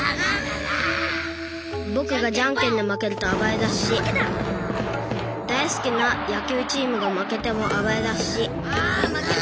僕がじゃんけんで負けると暴れだすし大好きな野球チームが負けても暴れだすしあ負けた！